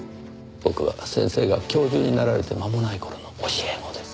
僕は先生が教授になられて間もない頃の教え子です。